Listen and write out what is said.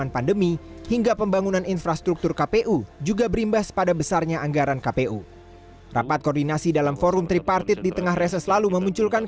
pemilu serentak dua ribu sembilan belas